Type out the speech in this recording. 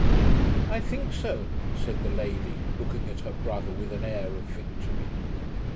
'I think so,' said the lady, looking at her brother with an air of victory.